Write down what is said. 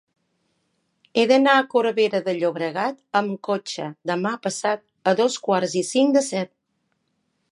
He d'anar a Corbera de Llobregat amb cotxe demà passat a dos quarts i cinc de set.